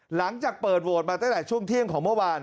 หลังจากเปิดโหวตมาตั้งแต่ช่วงเที่ยงของเมื่อวาน